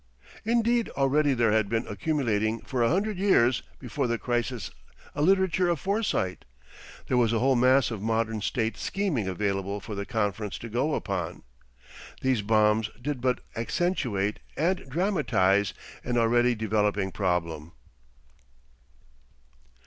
Indeed already there had been accumulating for a hundred years before the crisis a literature of foresight; there was a whole mass of 'Modern State' scheming available for the conference to go upon. These bombs did but accentuate and dramatise an already developing problem.